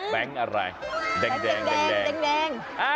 แบงค์อะไรแบงค์แดงแบงค์แดงแบงค์แดงแบงค์แดงแบงค์แดงแบงค์แดง